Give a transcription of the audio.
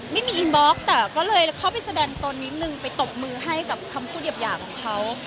ไม่มีอินบล็อกแต่ก็เลยเข้าไปแสดงตนนิดนึงไปตบมือให้กับคำพูดหยาบของเขา